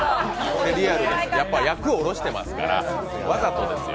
やっぱ役をおろしてますから、わざとですよ。